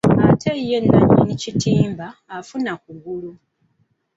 Ate ye nnannyini kitimba afuna kugulu.